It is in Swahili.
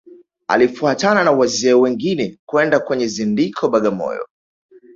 Alifuatana na wazee wengine kwenda kwenye zindiko Bagamoyo